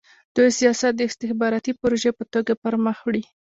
دوی سیاست د استخباراتي پروژې په توګه پرمخ وړي.